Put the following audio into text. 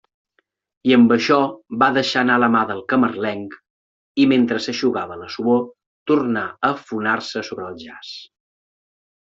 I amb això va deixar anar la mà del camarlenc; i mentre s'eixugava la suor, tornà a afonar-se sobre el jaç.